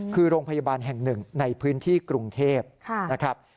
คือโรงพยาบาลแห่งหนึ่งในพื้นที่กรุงเทพนะครับ